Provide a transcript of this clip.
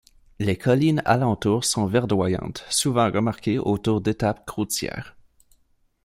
Les collines alentours sont verdoyantes, souvent remarquées au cours d'étapes côtières.